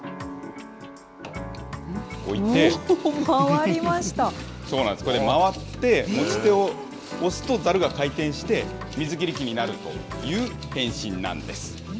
置いて、持ち手を押すと、ざるが回転して、水切り器になるという変身なんです。